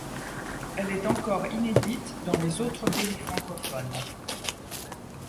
Elle est encore inédite dans les autres pays francophones.